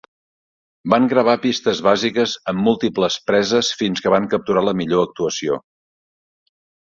Van gravar pistes bàsiques amb múltiples preses fins que van capturar la millor actuació.